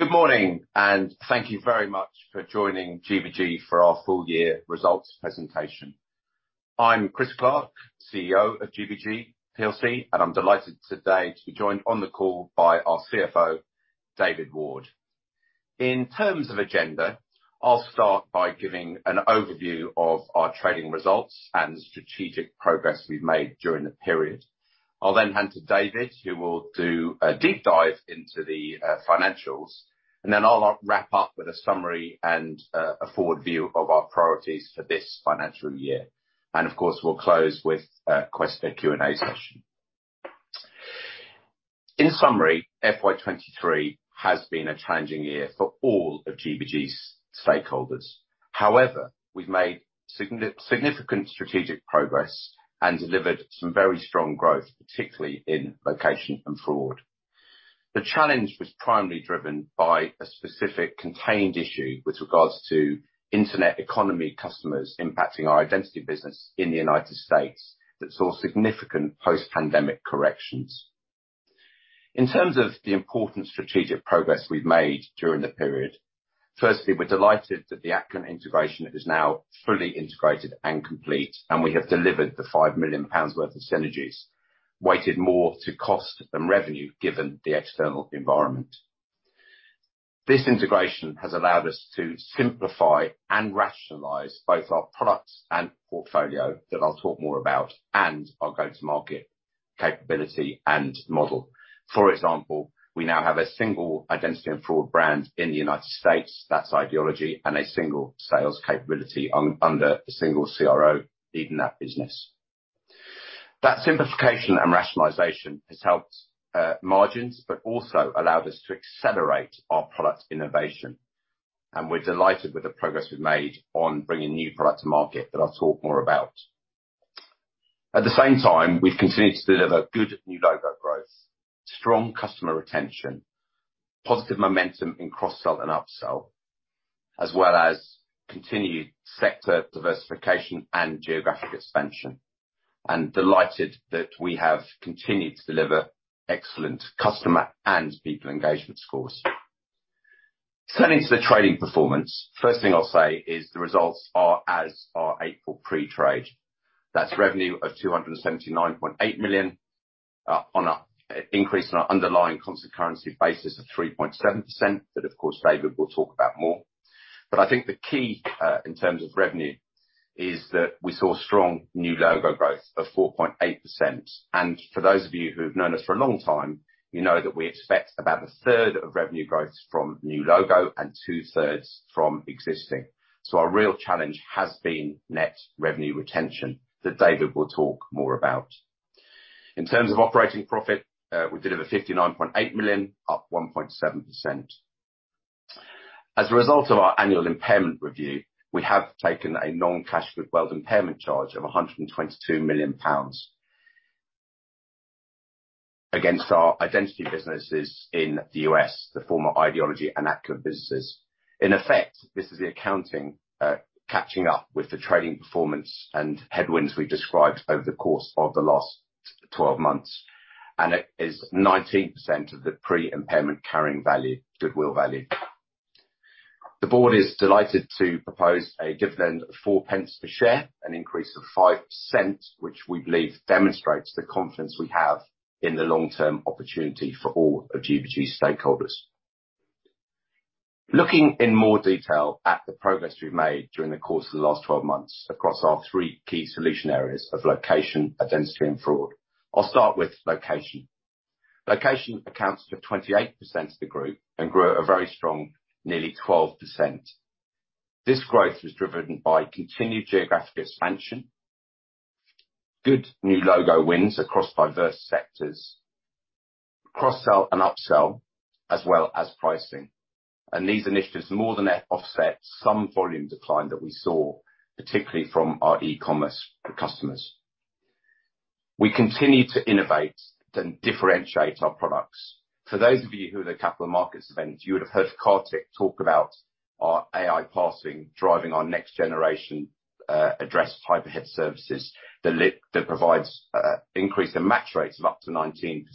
Good morning, thank you very much for joining GBG for our full year results presentation. I'm Chris Clark, CEO of GBG PLC, and I'm delighted today to be joined on the call by our CFO, David Ward. In terms of agenda, I'll start by giving an overview of our trading results and the strategic progress we've made during the period. I'll then hand to David, who will do a deep dive into the financials, and then I'll wrap up with a summary and a forward view of our priorities for this financial year. Of course, we'll close with a question, Q&A session. In summary, FY 23 has been a challenging year for all of GBG's stakeholders. However, we've made significant strategic progress and delivered some very strong growth, particularly in location and fraud. The challenge was primarily driven by a specific contained issue with regards to internet economy customers impacting our identity business in the United States, that saw significant post-pandemic corrections. In terms of the important strategic progress we've made during the period, firstly, we're delighted that the Acuant integration is now fully integrated and complete. We have delivered the 5 million pounds worth of synergies, weighted more to cost than revenue, given the external environment. This integration has allowed us to simplify and rationalize both our products and portfolio, that I'll talk more about, and our go-to-market capability and model. For example, we now have a single identity and fraud brand in the United States, that's IDology, and a single sales capability under a single CRO leading that business. That simplification and rationalization has helped margins, but also allowed us to accelerate our product innovation, and we're delighted with the progress we've made on bringing new products to market that I'll talk more about. At the same time, we've continued to deliver good new logo growth, strong customer retention, positive momentum in cross-sell and upsell, as well as continued sector diversification and geographic expansion. Delighted that we have continued to deliver excellent customer and people engagement scores. Turning to the trading performance, first thing I'll say is the results are as our April pre-trade. That's revenue of 279.8 million on an increase in our underlying constant currency basis of 3.7%. Of course, David will talk about more. I think the key, in terms of revenue, is that we saw strong new logo growth of 4.8%. For those of you who have known us for a long time, you know that we expect about a third of revenue growth from new logo and two thirds from existing. Our real challenge has been net revenue retention, that David will talk more about. In terms of operating profit, we delivered 59.8 million, up 1.7%. As a result of our annual impairment review, we have taken a non-cash goodwill impairment charge of 122 million pounds against our identity businesses in the U.S., the former IDology and Acuant businesses. In effect, this is the accounting catching up with the trading performance and headwinds we described over the course of the last 12 months. It is 19% of the pre-impairment carrying value, goodwill value. The board is delighted to propose a dividend of 0.04 per share, an increase of 5%, which we believe demonstrates the confidence we have in the long-term opportunity for all of GBG's stakeholders. Looking in more detail at the progress we've made during the course of the last 12 months across our three key solution areas of location, identity, and fraud. I'll start with location. Location accounts for 28% of the group and grew at a very strong, nearly 12%. This growth was driven by continued geographic expansion, good new logo wins across diverse sectors, cross-sell and upsell, as well as pricing. These initiatives more than offset some volume decline that we saw, particularly from our e-commerce customers. We continued to innovate and differentiate our products. For those of you who were at the capital markets event, you would have heard Kartik talk about our AI parsing, driving our next generation address type ahead services that provides increase in match rates of up to 19%.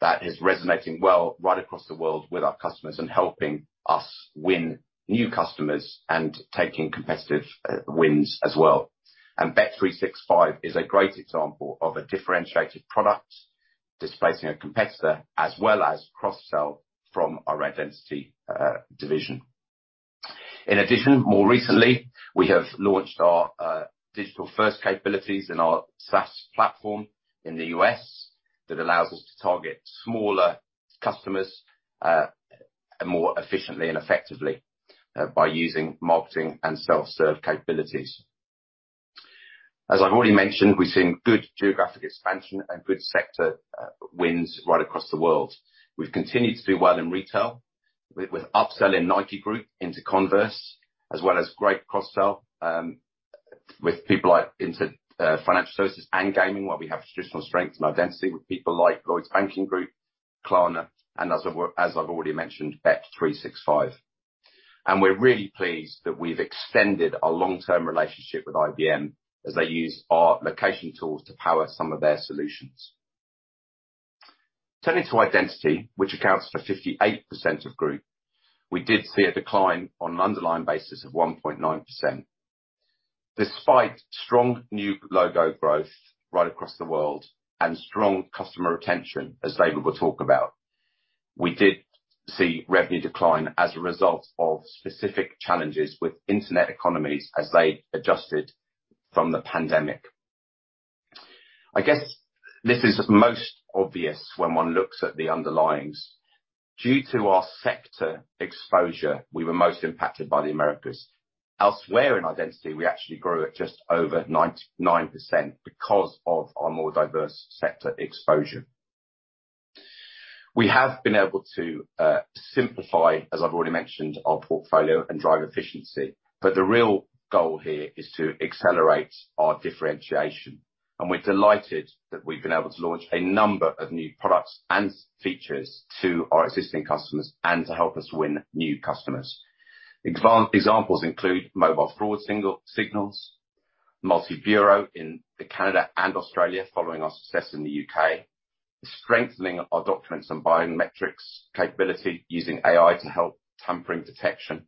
That is resonating well right across the world with our customers, and helping us win new customers, and taking competitive wins as well. bet365 is a great example of a differentiated product displacing a competitor, as well as cross-sell from our identity division. In addition, more recently, we have launched our digital-first capabilities in our SaaS platform in the US, that allows us to target smaller customers more efficiently and effectively by using marketing and self-serve capabilities. As I've already mentioned, we've seen good geographic expansion and good sector wins right across the world. We've continued to do well in retail, with upselling Nike group into Converse, as well as great cross-sell with people like into financial services and gaming, where we have traditional strength and identity with people like Lloyds Banking Group, Klarna and as I've already mentioned, Bet365. We're really pleased that we've extended our long-term relationship with IBM, as they use our location tools to power some of their solutions. Turning to Identity, which accounts for 58% of group, we did see a decline on an underlying basis of 1.9%. Despite strong new logo growth right across the world and strong customer retention, as David will talk about, we did see revenue decline as a result of specific challenges with internet economies as they adjusted from the pandemic. I guess this is most obvious when one looks at the underlyings. Due to our sector exposure, we were most impacted by the Americas. Elsewhere in Identity, we actually grew at just over 99% because of our more diverse sector exposure. We have been able to simplify, as I've already mentioned, our portfolio and drive efficiency. The real goal here is to accelerate our differentiation. We're delighted that we've been able to launch a number of new products and features to our existing customers and to help us win new customers. Examples include mobile fraud signals, multi-bureau in Canada and Australia, following our success in the UK, strengthening our documents and biometrics capability using AI to help tampering detection.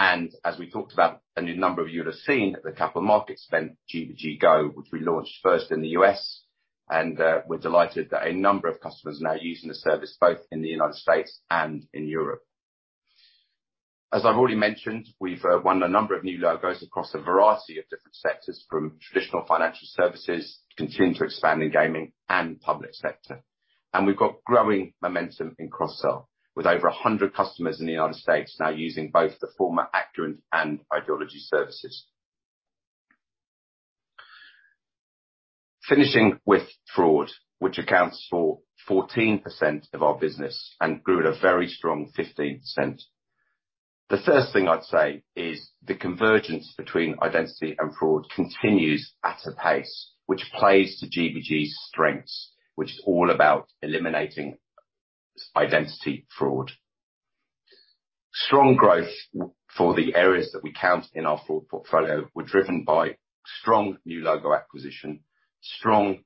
As we talked about, a number of you will have seen at the capital markets event, GBG Go, which we launched first in the US. We're delighted that a number of customers are now using the service, both in the United States and in Europe. As I've already mentioned, we've won a number of new logos across a variety of different sectors, from traditional financial services, continuing to expand in gaming and public sector. We've got growing momentum in cross-sell, with over 100 customers in the United States now using both the former Acuant and IDology services. Finishing with fraud, which accounts for 14% of our business and grew at a very strong 15%. The first thing I'd say is the convergence between identity and fraud continues at a pace which plays to GBG's strengths, which is all about eliminating identity fraud. Strong growth for the areas that we count in our fraud portfolio were driven by strong new logo acquisition, strong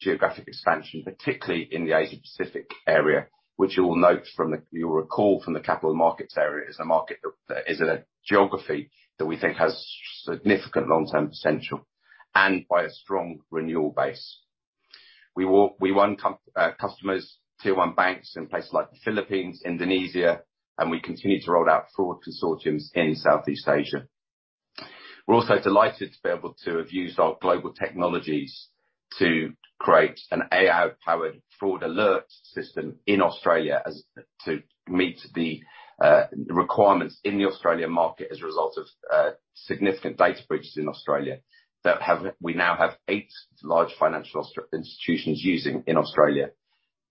geographic expansion, particularly in the Asia Pacific area, which you will note from the you will recall from the capital markets area, is a market is a geography that we think has significant long-term potential and by a strong renewal base. We won cum customers, tier one banks in places like the Philippines, Indonesia, and we continue to roll out fraud consortiums in Southeast Asia. We're also delighted to be able to have used our global technologies to create an AI-powered fraud alert system in Australia, to meet the requirements in the Australian market as a result of significant data breaches in Australia, we now have eight large financial institutions using in Australia,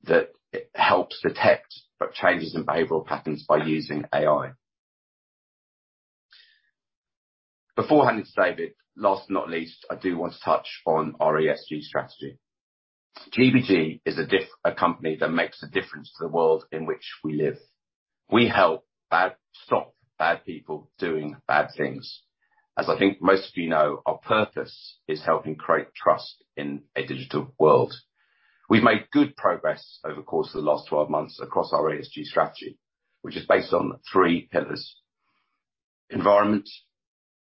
that it helps detect changes in behavioral patterns by using AI. Before handing to David, last but not least, I do want to touch on our ESG strategy. GBG is a company that makes a difference to the world in which we live. We help stop bad people doing bad things. As I think most of you know, our purpose is helping create trust in a digital world. We've made good progress over the course of the last 12 months across our ESG strategy, which is based on three pillars: environment,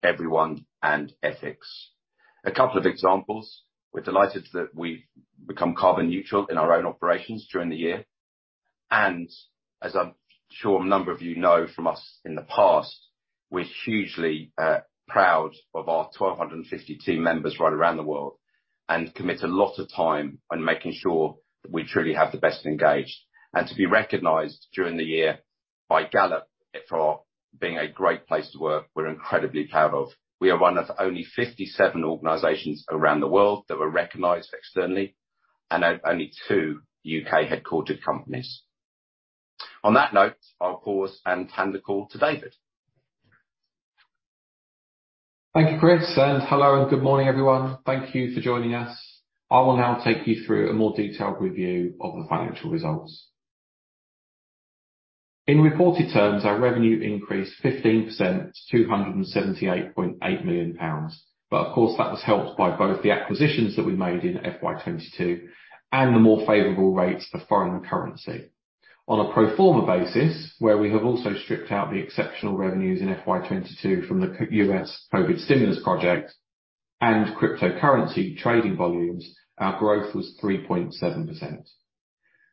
everyone, and ethics. A couple of examples. We're delighted that we've become carbon neutral in our own operations during the year, and as I'm sure a number of you know from us in the past, we're hugely proud of our 1,250 team members right around the world, and commit a lot of time on making sure that we truly have the best engaged. To be recognized during the year by Gallup for being a great place to work, we're incredibly proud of. We are one of only 57 organizations around the world that were recognized externally, and only two U.K.-headquartered companies. On that note, I'll pause and hand the call to David. Thank you, Chris. Hello, and good morning, everyone. Thank you for joining us. I will now take you through a more detailed review of the financial results. In reported terms, our revenue increased 15% to 278.8 million pounds. Of course, that was helped by both the acquisitions that we made in FY22 and the more favorable rates of foreign currency. On a pro forma basis, where we have also stripped out the exceptional revenues in FY22 from the U.S. COVID stimulus project and cryptocurrency trading volumes, our growth was 3.7%.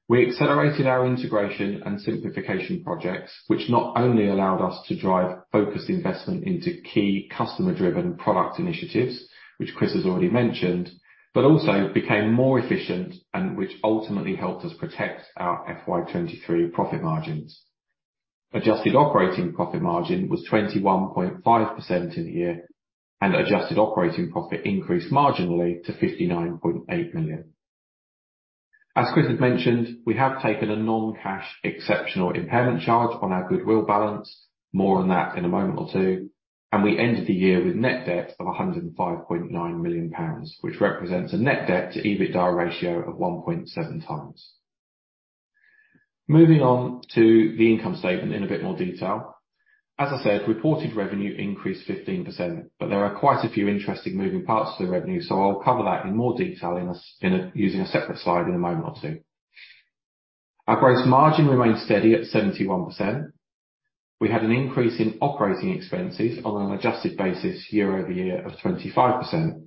We accelerated our integration and simplification projects, which not only allowed us to drive focused investment into key customer-driven product initiatives, which Chris has already mentioned, but also became more efficient and which ultimately helped us protect our FY23 profit margins. Adjusted operating profit margin was 21.5% in the year. Adjusted operating profit increased marginally to 59.8 million. As Chris has mentioned, we have taken a non-cash exceptional impairment charge on our goodwill balance. More on that in a moment or two. We ended the year with net debt of 105.9 million pounds, which represents a net debt to EBITDA ratio of 1.7 times. Moving on to the income statement in a bit more detail. As I said, reported revenue increased 15%. There are quite a few interesting moving parts to the revenue, I'll cover that in more detail using a separate slide in a moment or two. Our gross margin remained steady at 71%. We had an increase in operating expenses on an adjusted basis, year-over-year of 25%,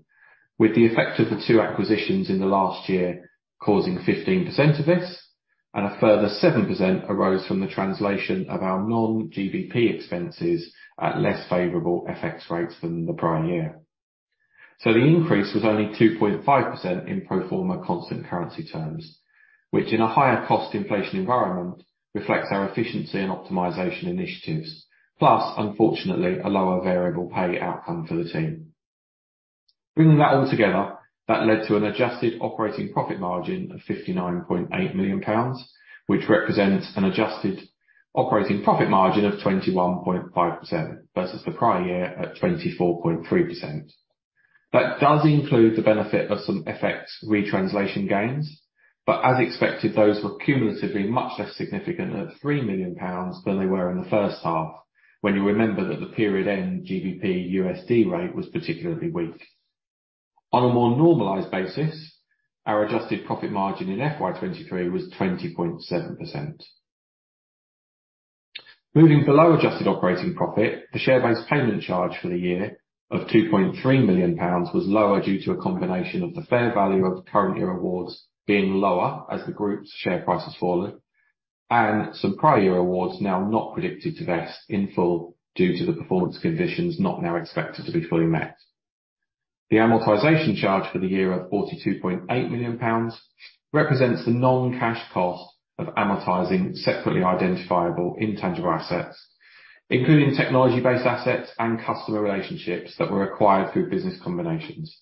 with the effect of the 2 acquisitions in the last year causing 15% of this, and a further 7% arose from the translation of our non-GBP expenses at less favorable FX rates than the prior year. The increase was only 2.5% in pro forma constant currency terms, which in a higher cost inflation environment, reflects our efficiency and optimization initiatives. Unfortunately, a lower variable pay outcome for the team. Bringing that all together, that led to an adjusted operating profit margin of 59.8 million pounds, which represents an adjusted operating profit margin of 21.5% versus the prior year at 24.3%. That does include the benefit of some FX retranslation gains, but as expected, those were cumulatively much less significant at 3 million pounds than they were in the first half, when you remember that the period end GBPUSD rate was particularly weak. On a more normalized basis, our adjusted profit margin in FY 2023 was 20.7%. Moving below adjusted operating profit, the share-based payment charge for the year of 2.3 million pounds was lower due to a combination of the fair value of current year awards being lower as the group's share price has fallen, and some prior year awards now not predicted to vest in full due to the performance conditions not now expected to be fully met. The amortization charge for the year, of 42.8 million pounds, represents the non-cash cost of amortizing separately identifiable intangible assets, including technology-based assets and customer relationships that were acquired through business combinations.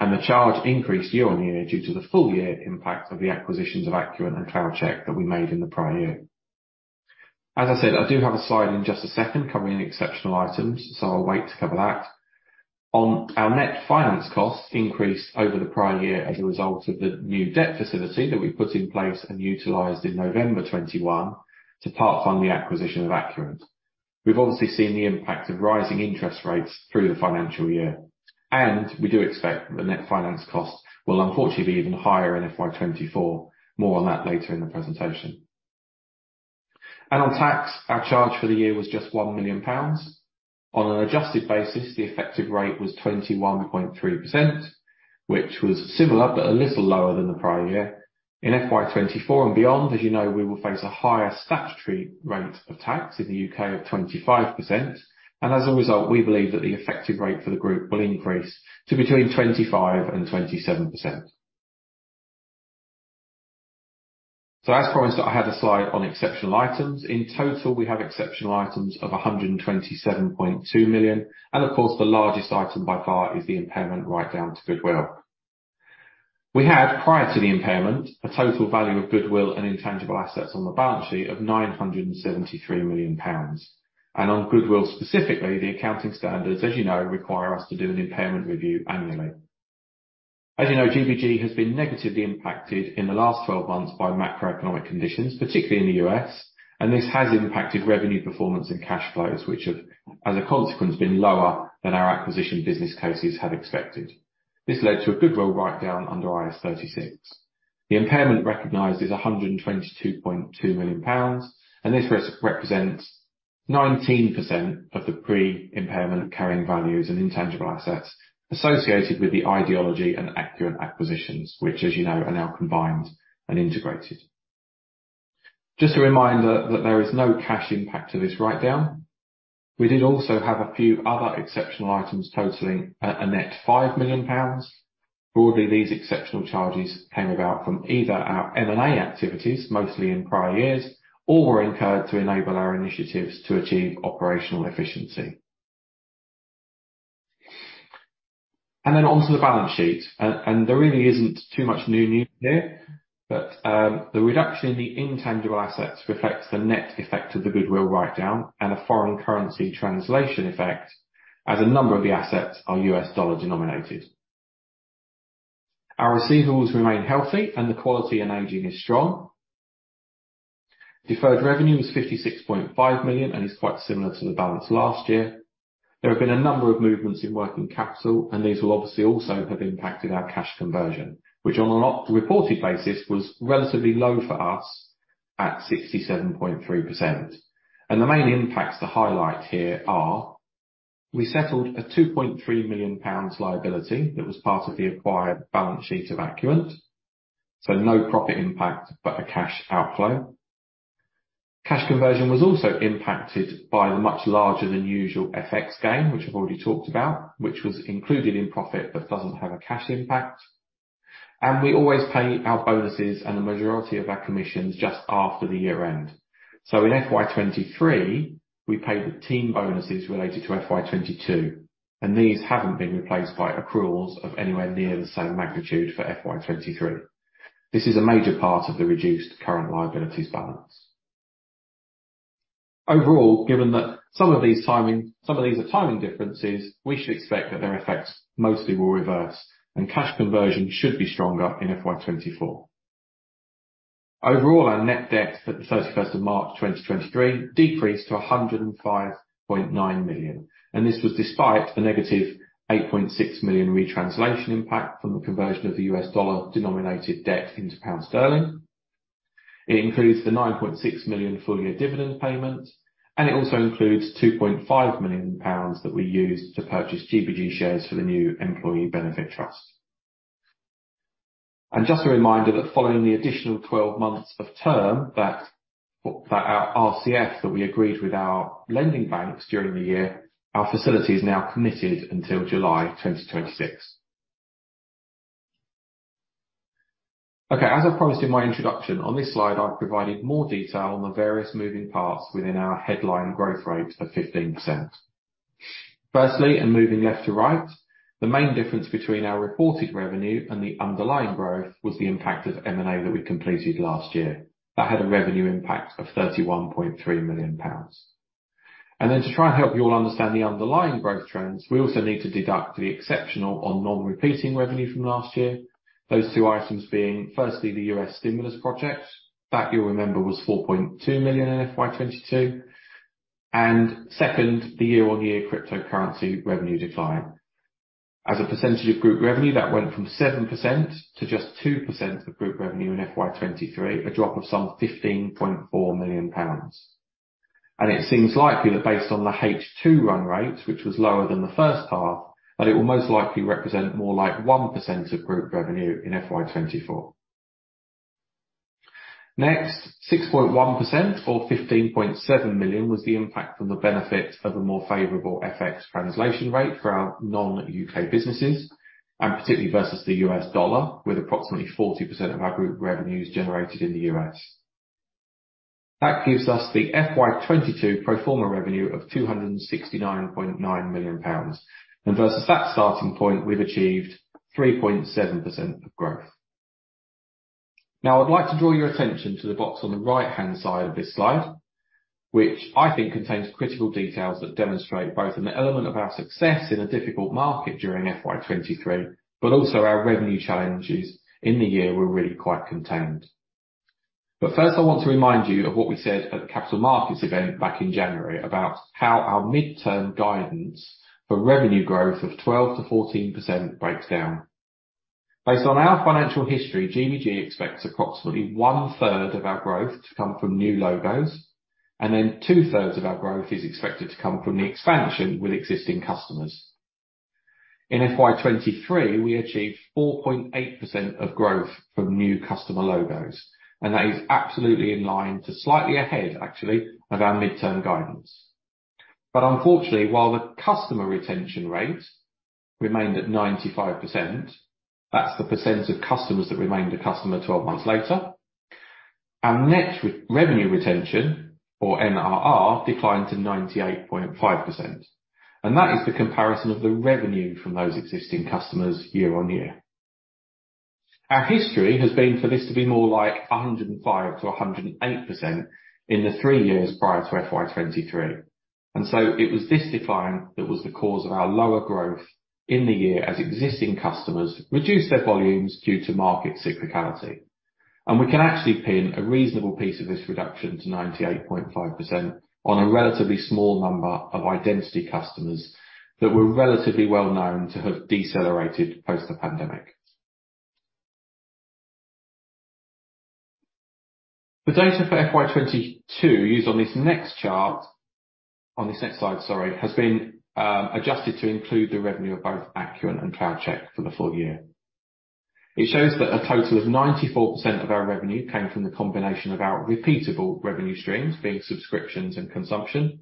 The charge increased year-on-year due to the full year impact of the acquisitions of Acuant and Cloudcheck that we made in the prior year. As I said, I do have a slide in just a second covering exceptional items, so I'll wait to cover that. Our net finance costs increased over the prior year as a result of the new debt facility that we put in place and utilized in November 2021 to part fund the acquisition of Acuant. We've obviously seen the impact of rising interest rates through the financial year, and we do expect the net finance cost will unfortunately be even higher in FY 2024. More on that later in the presentation. On tax, our charge for the year was just 1 million pounds. On an adjusted basis, the effective rate was 21.3%, which was similar, but a little lower than the prior year. In FY 2024 and beyond, as you know, we will face a higher statutory rate of tax in the UK of 25%, as a result, we believe that the effective rate for the group will increase to between 25% and 27%. As promised, I have a slide on exceptional items. In total, we have exceptional items of 127.2 million, of course, the largest item by far is the impairment write-down to goodwill. We had, prior to the impairment, a total value of goodwill and intangible assets on the balance sheet of 973 million pounds. On goodwill, specifically, the accounting standards, as you know, require us to do an impairment review annually. You know, GBG has been negatively impacted in the last 12 months by macroeconomic conditions, particularly in the U.S., and this has impacted revenue performance and cash flows, which have, as a consequence, been lower than our acquisition business cases had expected. This led to a goodwill write-down under IAS 36. The impairment recognized is 122.2 million pounds, this represents 19% of the pre-impairment carrying values and intangible assets associated with the IDology and Acuant acquisitions, which, as you know, are now combined and integrated. Just a reminder that there is no cash impact to this write-down. We did also have a few other exceptional items, totaling a net 5 million pounds. Broadly, these exceptional charges came about from either our M&A activities, mostly in prior years, or were incurred to enable our initiatives to achieve operational efficiency. Then onto the balance sheet. There really isn't too much news here, but the reduction in the intangible assets reflects the net effect of the goodwill write-down and a foreign currency translation effect, as a number of the assets are U.S. dollar denominated. Our receivables remain healthy, and the quality and aging is strong. Deferred revenue is 56.5 million and is quite similar to the balance last year. There have been a number of movements in working capital, and these will obviously also have impacted our cash conversion, which on a lot reported basis, was relatively low for us at 67.3%. The main impacts to highlight here are: we settled a 2.3 million pounds liability that was part of the acquired balance sheet of Acuant, so no profit impact, but a cash outflow. Cash conversion was also impacted by the much larger than usual FX gain, which I've already talked about, which was included in profit but doesn't have a cash impact. We always pay our bonuses and the majority of our commissions just after the year end. In FY 23, we paid the team bonuses related to FY 22, and these haven't been replaced by accruals of anywhere near the same magnitude for FY 23. This is a major part of the reduced current liabilities balance. Overall, given that some of these timing, some of these are timing differences, we should expect that their effects mostly will reverse, and cash conversion should be stronger in FY 2024. Overall, our net debt at the 31st of March 2023, decreased to 105.9 million, and this was despite a -8.6 million retranslation impact from the conversion of the US dollar-denominated debt into pound sterling. It includes the 9.6 million full-year dividend payment, and it also includes 2.5 million pounds that we used to purchase GBG shares for the new employee benefit trust. Just a reminder that following the additional 12 months of term, that, for our RCF, that we agreed with our lending banks during the year, our facility is now committed until July 2026. As I promised in my introduction, on this slide, I've provided more detail on the various moving parts within our headline growth rate of 15%. Firstly, moving left to right, the main difference between our reported revenue and the underlying growth was the impact of M&A that we completed last year. That had a revenue impact of 31.3 million pounds. To try and help you all understand the underlying growth trends, we also need to deduct the exceptional or non-repeating revenue from last year. Those two items being, firstly, the US stimulus project. That you'll remember, was 4.2 million in FY 2022. Second, the year-on-year cryptocurrency revenue decline. As a percentage of group revenue, that went from 7% to just 2% of group revenue in FY 2023, a drop of some GBP 15.4 million. It seems likely that based on the H2 run rate, which was lower than the first half, that it will most likely represent more like 1% of group revenue in FY 2024. Next, 6.1% or 15.7 million, was the impact from the benefit of a more favorable FX translation rate for our non-U.K. businesses, particularly versus the US dollar, with approximately 40% of our group revenues generated in the U.S. That gives us the FY 2022 pro forma revenue of GBP 269.9 million. Versus that starting point, we've achieved 3.7% of growth. I'd like to draw your attention to the box on the right-hand side of this slide, which I think contains critical details that demonstrate both an element of our success in a difficult market during FY 2023, but also our revenue challenges in the year were really quite contained. First, I want to remind you of what we said at the capital markets event back in January, about how our midterm guidance for revenue growth of 12%-14% breaks down. Based on our financial history, GBG expects approximately one third of our growth to come from new logos, and then two-thirds of our growth is expected to come from the expansion with existing customers. In FY 2023, we achieved 4.8% of growth from new customer logos. That is absolutely in line to slightly ahead, actually, of our midterm guidance. Unfortunately, while the customer retention rate remained at 95%, that's the percentage of customers that remained a customer 12 months later, our net revenue retention, or NRR, declined to 98.5%, and that is the comparison of the revenue from those existing customers year-over-year. Our history has been for this to be more like 105%-108% in the three years prior to FY 2023, and so it was this decline that was the cause of our lower growth in the year as existing customers reduced their volumes due to market cyclicality. We can actually pin a reasonable piece of this reduction to 98.5% on a relatively small number of identity customers, that were relatively well-known to have decelerated post the pandemic. The data for FY 2022, used on this next chart, on this next slide, sorry, has been adjusted to include the revenue of both Acuant and Cloudcheck for the full year. It shows that a total of 94% of our revenue came from the combination of our repeatable revenue streams, being subscriptions and consumption.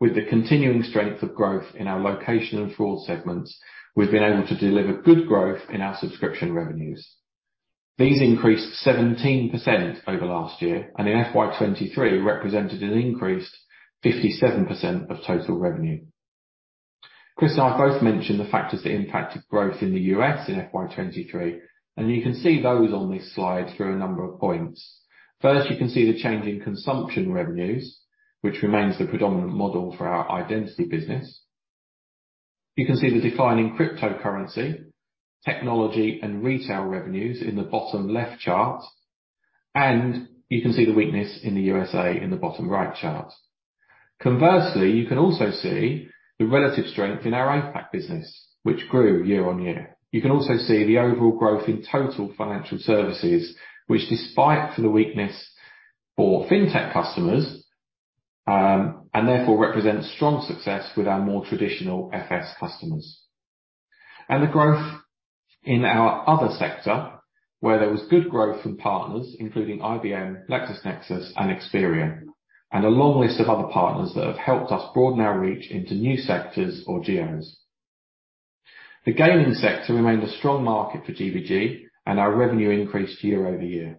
With the continuing strength of growth in our location and fraud segments, we've been able to deliver good growth in our subscription revenues. These increased 17% over last year, and in FY 2023, represented an increased 57% of total revenue. Chris and I both mentioned the factors that impacted growth in the US in FY 23. You can see those on this slide through a number of points. First, you can see the change in consumption revenues, which remains the predominant model for our identity business. You can see the decline in cryptocurrency, technology, and retail revenues in the bottom left chart. You can see the weakness in the USA in the bottom right chart. Conversely, you can also see the relative strength in our APAC business, which grew year-over-year. You can also see the overall growth in total financial services, which despite the weakness for fintech customers, therefore represents strong success with our more traditional FS customers. The growth in our other sector, where there was good growth from partners, including IBM, LexisNexis, and Experian, and a long list of other partners that have helped us broaden our reach into new sectors or geos. The gaming sector remained a strong market for GBG, and our revenue increased year-over-year.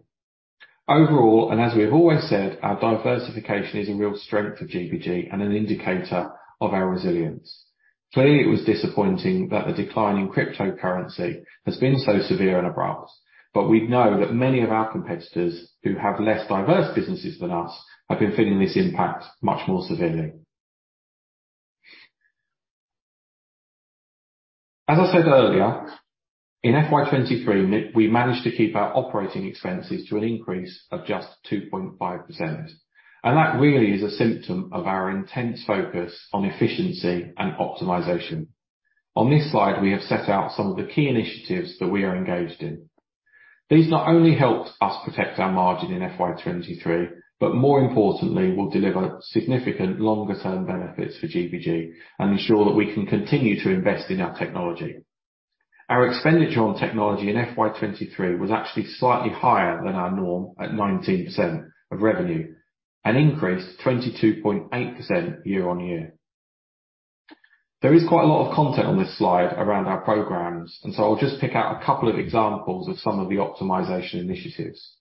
Overall, and as we have always said, our diversification is a real strength for GBG and an indicator of our resilience. Clearly, it was disappointing that the decline in cryptocurrency has been so severe and abrupt, but we know that many of our competitors who have less diverse businesses than us are been feeling this impact much more severely. As I said earlier, in FY 2023, we managed to keep our operating expenses to an increase of just 2.5%, and that really is a symptom of our intense focus on efficiency and optimization. On this slide, we have set out some of the key initiatives that we are engaged in. These not only helped us protect our margin in FY 23, but more importantly, will deliver significant longer-term benefits for GBG and ensure that we can continue to invest in our technology. Our expenditure on technology in FY 23 was actually slightly higher than our norm, at 19% of revenue, an increase of 22.8% year-on-year. There is quite a lot of content on this slide around our programs, and so I'll just pick out a couple of examples of some of the optimization initiatives.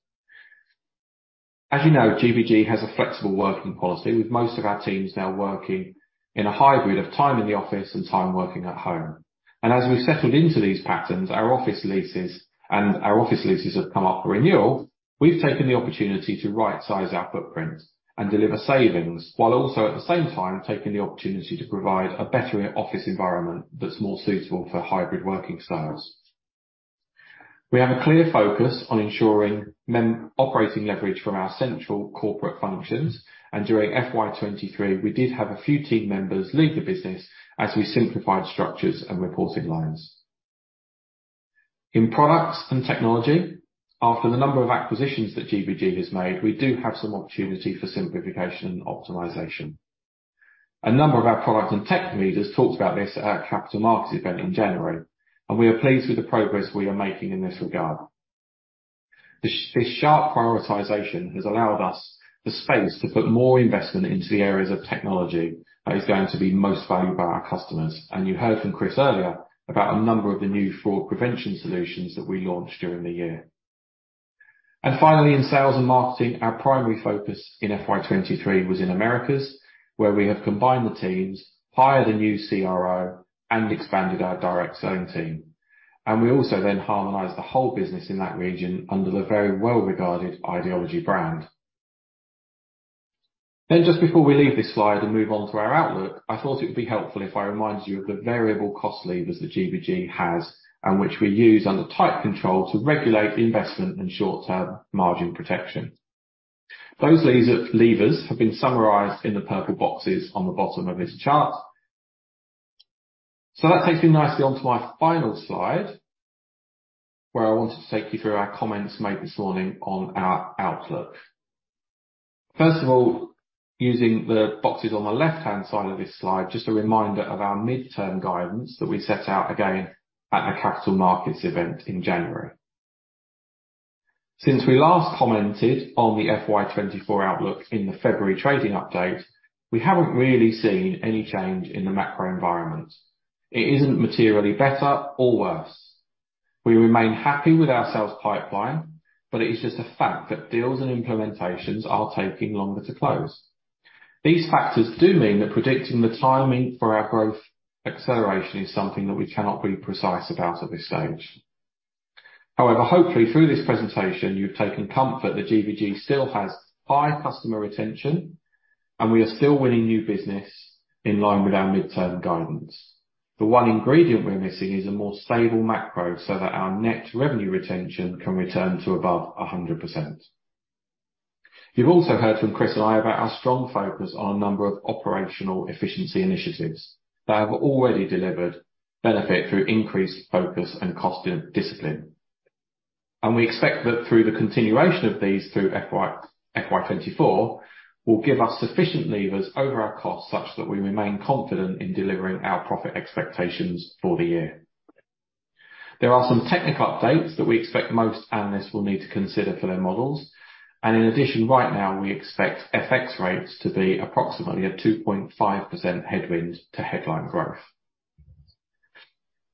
As you know, GBG has a flexible working policy, with most of our teams now working in a hybrid of time in the office and time working at home. As we've settled into these patterns, our office leases have come up for renewal, we've taken the opportunity to right-size our footprint and deliver savings, while also at the same time taking the opportunity to provide a better office environment that's more suitable for hybrid working styles. We have a clear focus on ensuring operating leverage from our central corporate functions, and during FY 2023, we did have a few team members leave the business as we simplified structures and reporting lines. In products and technology, after the number of acquisitions that GBG has made, we do have some opportunity for simplification and optimization. A number of our product and tech leaders talked about this at our capital markets event in January, and we are pleased with the progress we are making in this regard. This sharp prioritization has allowed us the space to put more investment into the areas of technology that is going to be most valued by our customers. You heard from Chris earlier about a number of the new fraud prevention solutions that we launched during the year. Finally, in sales and marketing, our primary focus in FY 23 was in Americas, where we have combined the teams, hired a new CRO, and expanded our direct selling team. We also then harmonized the whole business in that region under the very well-regarded IDology brand. Just before we leave this slide and move on to our outlook, I thought it would be helpful if I reminded you of the variable cost levers that GBG has, and which we use under tight control to regulate investment and short-term margin protection. Those levers have been summarized in the purple boxes on the bottom of this chart. That takes me nicely onto my final slide, where I wanted to take you through our comments made this morning on our outlook. First of all, using the boxes on the left-hand side of this slide, just a reminder of our midterm guidance that we set out again at a capital markets event in January. Since we last commented on the FY 2024 outlook in the February trading update, we haven't really seen any change in the macro environment. It isn't materially better or worse. We remain happy with our sales pipeline, but it is just a fact that deals and implementations are taking longer to close. These factors do mean that predicting the timing for our growth acceleration is something that we cannot be precise about at this stage. Hopefully, through this presentation, you've taken comfort that GBG still has high customer retention, and we are still winning new business in line with our midterm guidance. The one ingredient we're missing is a more stable macro, so that our net revenue retention can return to above 100%. You've also heard from Chris and I about our strong focus on a number of operational efficiency initiatives that have already delivered benefit through increased focus and cost discipline. We expect that through the continuation of these through FY 2024, will give us sufficient levers over our costs, such that we remain confident in delivering our profit expectations for the year. There are some technical updates that we expect most analysts will need to consider for their models, and in addition, right now, we expect FX rates to be approximately a 2.5% headwind to headline growth.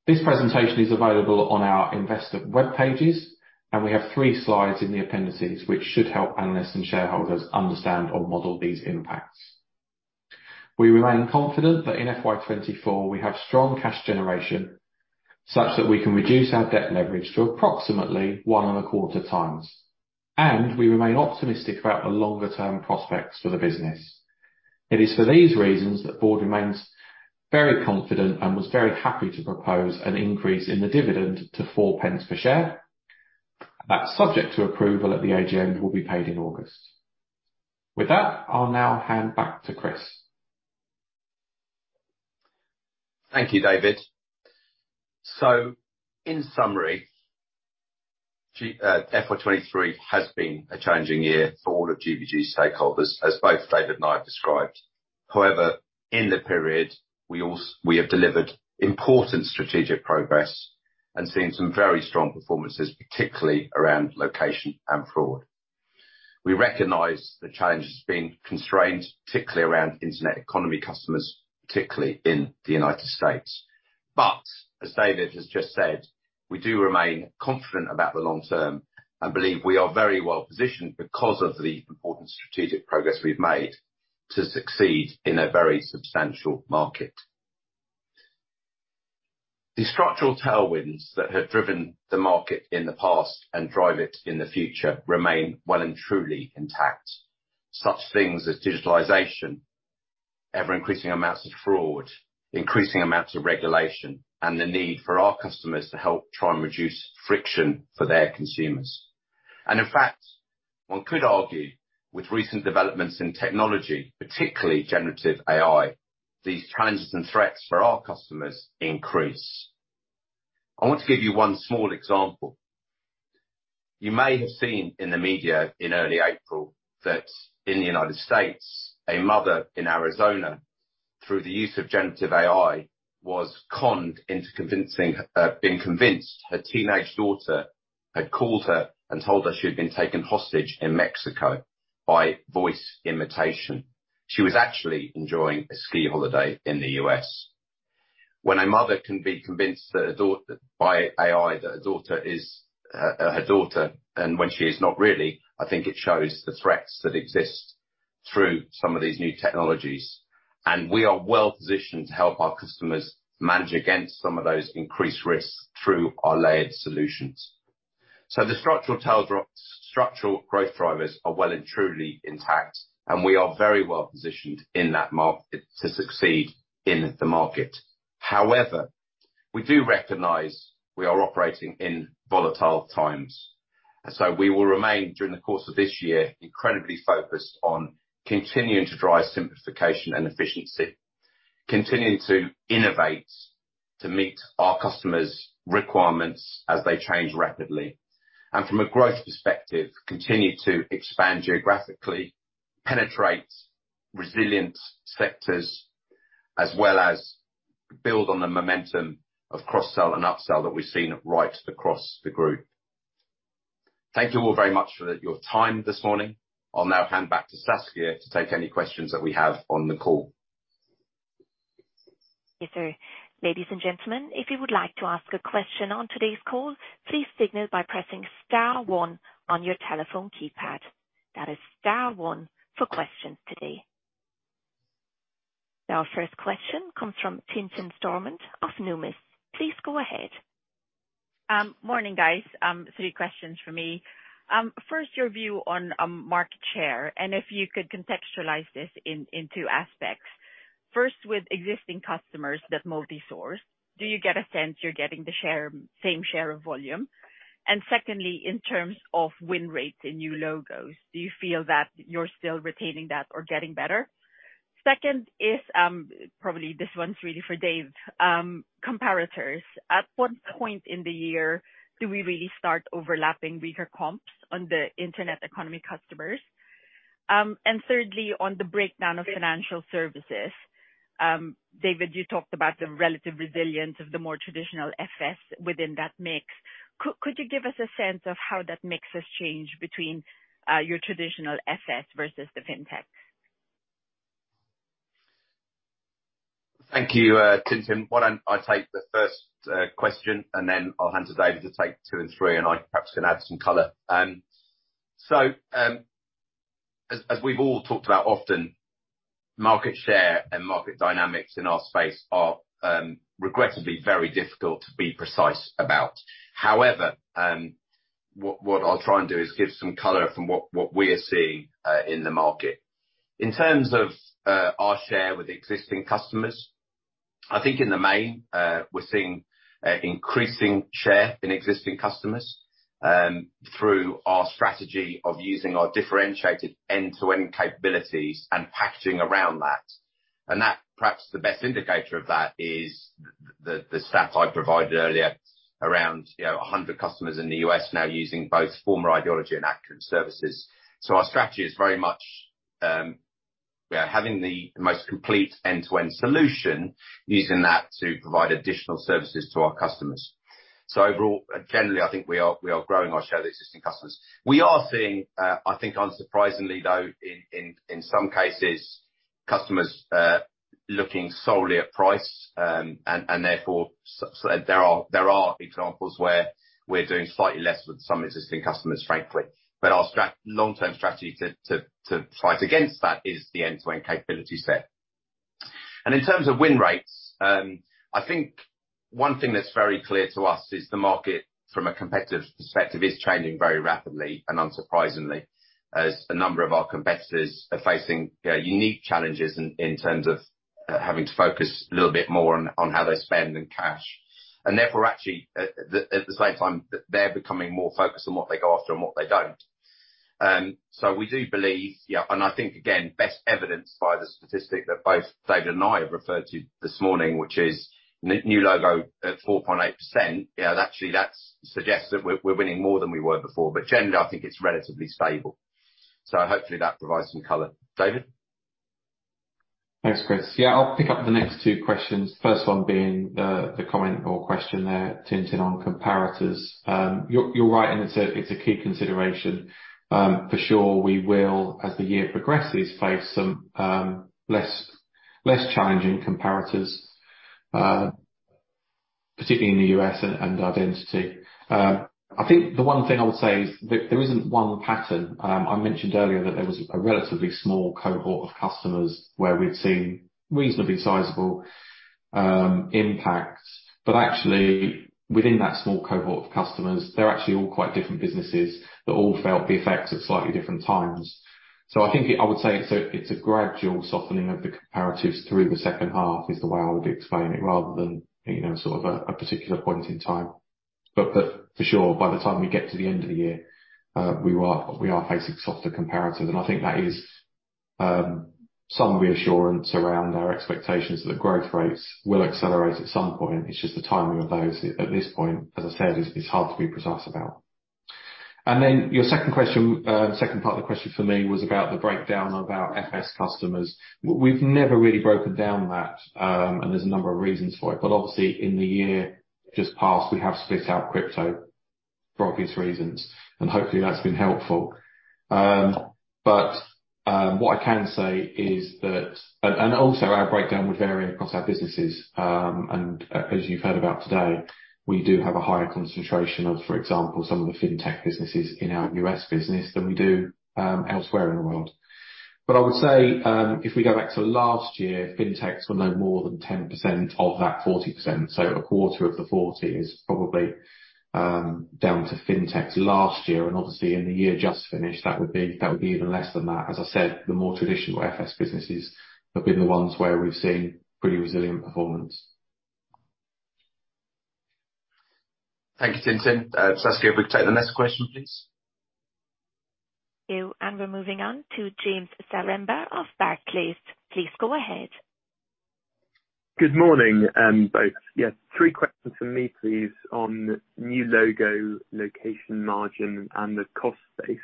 This presentation is available on our investor web pages, and we have three slides in the appendices, which should help analysts and shareholders understand or model these impacts. We remain confident that in FY 2024, we have strong cash generation, such that we can reduce our debt leverage to approximately 1.25 times, and we remain optimistic about the longer-term prospects for the business. It is for these reasons that the board remains very confident and was very happy to propose an increase in the dividend to 4 pence per share. That, subject to approval at the AGM, will be paid in August. With that, I'll now hand back to Chris. Thank you, David. In summary, G, FY 23 has been a challenging year for all of GBG's stakeholders, as both David and I have described. However, in the period, we have delivered important strategic progress and seen some very strong performances, particularly around location and fraud. We recognize the challenge has been constrained, particularly around internet economy customers, particularly in the United States. As David has just said, we do remain confident about the long term and believe we are very well positioned because of the important strategic progress we've made to succeed in a very substantial market. The structural tailwinds that have driven the market in the past and drive it in the future remain well and truly intact. Such things as digitalization, ever-increasing amounts of fraud, increasing amounts of regulation, the need for our customers to help try and reduce friction for their consumers. In fact, one could argue with recent developments in technology, particularly generative AI, these challenges and threats for our customers increase. I want to give you one small example. You may have seen in the media in early April, that in the United States, a mother in Arizona, through the use of generative AI, was conned into convincing, being convinced her teenage daughter had called her and told her she had been taken hostage in Mexico by voice imitation. She was actually enjoying a ski holiday in the U.S. When a mother can be convinced that her by AI, that her daughter is her daughter, and when she is not really, I think it shows the threats that exist through some of these new technologies, and we are well positioned to help our customers manage against some of those increased risks through our layered solutions. The structural growth drivers are well and truly intact, and we are very well positioned in that market, to succeed in the market. However, we do recognize we are operating in volatile times, and so we will remain, during the course of this year, incredibly focused on continuing to drive simplification and efficiency, continuing to innovate to meet our customers' requirements as they change rapidly. From a growth perspective, continue to expand geographically, penetrate resilient sectors, as well as build on the momentum of cross-sell and up-sell that we've seen right across the group. Thank you all very much for your time this morning. I'll now hand back to Saskia to take any questions that we have on the call. Yes, sir. Ladies and gentlemen, if you would like to ask a question on today's call, please signal by pressing star one on your telephone keypad. That is star one for questions today. Our first question comes from Tintin Stormont of Numis. Please go ahead. Morning, guys. Three questions for me. First, your view on market share, and if you could contextualize this in two aspects. First, with existing customers that multi-source, do you get a sense you're getting the same share of volume? Secondly, in terms of win rates and new logos, do you feel that you're still retaining that or getting better? Second is, probably this one's really for Dave. Comparators. At what point in the year do we really start overlapping weaker comps on the internet economy customers? Thirdly, on the breakdown of financial services, David, you talked about the relative resilience of the more traditional FS within that mix. Could you give us a sense of how that mix has changed between your traditional FS versus the Fintech? Thank you, Tintin. Why don't I take the first question, then I'll hand to David to take 2 and 3, and I perhaps can add some color. As we've all talked about often, market share and market dynamics in our space are regrettably, very difficult to be precise about. However, what I'll try and do is give some color from what we are seeing in the market. In terms of our share with existing customers, I think in the main, we're seeing increasing share in existing customers through our strategy of using our differentiated end-to-end capabilities and packaging around that. That, perhaps the best indicator of that is the stat I provided earlier around, you know, 100 customers in the US now using both former IDology and Acuant services. Our strategy is very much, we are having the most complete end-to-end solution, using that to provide additional services to our customers. Overall, generally, I think we are growing our share with existing customers. We are seeing, I think, unsurprisingly though, in some cases, customers looking solely at price, and therefore, there are examples where we're doing slightly less with some existing customers, frankly. Our long-term strategy to fight against that is the end-to-end capability set. In terms of win rates, I think one thing that's very clear to us is the market, from a competitive perspective, is changing very rapidly and unsurprisingly, as a number of our competitors are facing unique challenges in terms of having to focus a little bit more on how they spend and cash. Therefore, actually, at the same time, they're becoming more focused on what they go after and what they don't. We do believe, yeah, and I think again, best evidenced by the statistic that both David and I have referred to this morning, which is new logo at 4.8%. You know, actually, that suggests that we're winning more than we were before, but generally, I think it's relatively stable. Hopefully that provides some color. David? Thanks, Chris. Yeah, I'll pick up the next two questions. First one being, the comment or question there, Tintin, on comparators. You're right, and it's a key consideration. For sure, we will, as the year progresses, face some less challenging comparators. particularly in the US and identity. I think the one thing I would say is that there isn't one pattern. I mentioned earlier that there was a relatively small cohort of customers where we'd seen reasonably sizable impact. Actually, within that small cohort of customers, they're actually all quite different businesses that all felt the effects at slightly different times. I think, I would say it's a, it's a gradual softening of the comparatives through the second half, is the way I would explain it, rather than, you know, sort of a particular point in time. For sure, by the time we get to the end of the year, we are, we are facing softer comparatives. I think that is, some reassurance around our expectations that growth rates will accelerate at some point. It's just the timing of those at this point, as I said, is hard to be precise about. Your second question, second part of the question for me, was about the breakdown of our FS customers. We've never really broken down that, and there's a number of reasons for it. Obviously, in the year just past, we have split out crypto for obvious reasons, and hopefully that's been helpful. What I can say is that. Also, our breakdown would vary across our businesses. As you've heard about today, we do have a higher concentration of, for example, some of the fintech businesses in our US business than we do elsewhere in the world. I would say, if we go back to last year, fintechs were no more than 10% of that 40%, so a quarter of the 40 is probably, down to fintechs last year. Obviously, in the year just finished, that would be even less than that. As I said, the more traditional FS businesses have been the ones where we've seen pretty resilient performance. Thank you, Tim Jen. Saskia, if we could take the next question, please. We're moving on to James Zaremba of Barclays. Please go ahead. Good morning, both. Yes, 3 questions for me, please, on new logo, location, margin, and the cost base.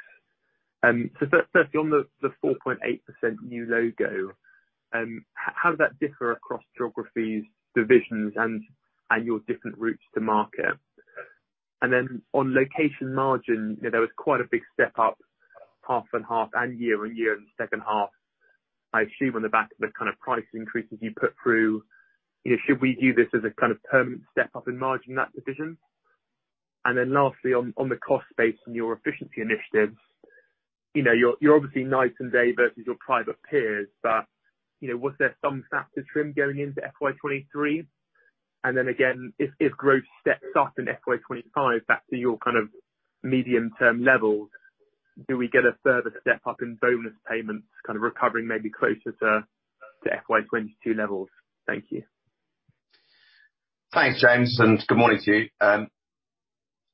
First, firstly, on the 4.8% new logo, how does that differ across geographies, divisions, and your different routes to market? On location margin, you know, there was quite a big step up, half on half and year-over-year in the second half, I assume on the back of the kind of price increases you put through. You know, should we view this as a kind of permanent step up in margin in that division? Lastly, on the cost base and your efficiency initiatives, you know, you're obviously night and day versus your private peers, but, you know, was there some fat to trim going into FY 2023? Then again, if growth steps up in FY 2025, back to your kind of medium term levels, do we get a further step up in bonus payments, kind of recovering maybe closer to FY 2022 levels? Thank you. Thanks, James, and good morning to you.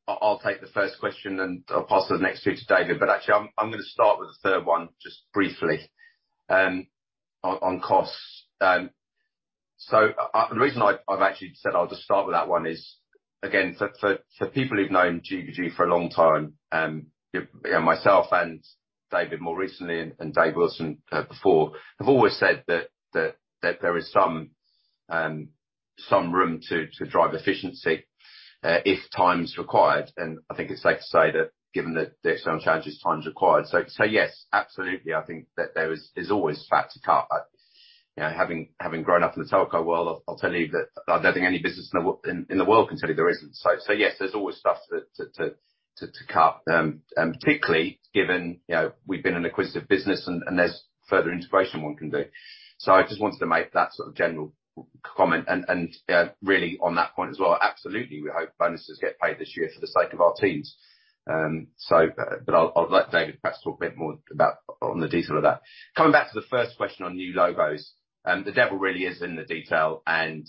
I'll take the first question, and I'll pass the next two to David. Actually, I'm gonna start with the third one, just briefly, on costs. The reason I've actually said I'll just start with that one is, again, for people who've known GBG for a long time, you know, myself and David more recently, and David Wilson, before, have always said that there is some room to drive efficiency, if time is required. I think it's safe to say that, given the external challenges, time is required. Yes, absolutely, I think there's always fat to cut. You know, having grown up in the telco world, I'll tell you that I don't think any business in the world can tell you there isn't. Yes, there's always stuff to cut, and particularly given, you know, we've been an acquisitive business and there's further integration one can do. I just wanted to make that sort of general comment. Really, on that point as well, absolutely, we hope bonuses get paid this year for the sake of our teams. I'll let David perhaps talk a bit more about on the detail of that. Coming back to the first question on new logos, the devil really is in the detail, and